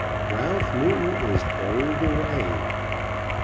RALPH NEWTON IS BOWLED AWAY.